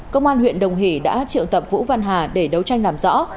công an huyện đồng hỷ đã triệu tập vũ văn hà để đấu tranh làm rõ